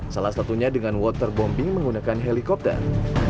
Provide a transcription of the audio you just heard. salah satunya dengan waterbombing menggunakan helikopter